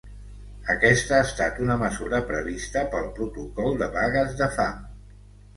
Aquesta ha estat una mesura prevista pel protocol de vagues de fam.